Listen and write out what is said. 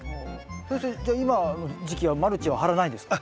先生じゃあ今の時期はマルチは張らないんですか？